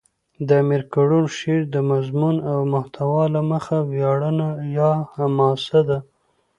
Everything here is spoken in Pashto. د امیر کروړ شعر دمضمون او محتوا له مخه ویاړنه یا حماسه ده.